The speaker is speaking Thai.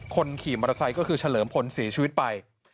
คนขี่มอเตอร์ไซค์ก็คือเฉลิมพลเสียชีวิตไป